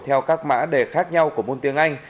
theo các mã đề khác nhau của môn tiếng anh